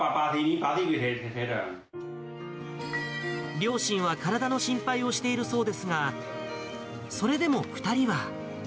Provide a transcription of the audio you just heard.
両親は体の心配をしているそうですが、それでも２人は。